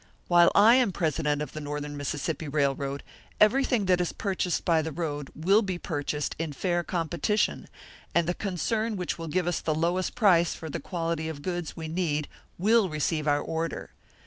While I am president of the Northern Mississippi Railroad, everything that is purchased by the road will be purchased in fair competition, and the concern which will give us the lowest price for the quality of goods we need will receive our order.